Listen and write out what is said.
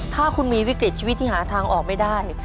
ถ้าคุณมีวิกฤตชีวิตที่หาทางออกไม่ได้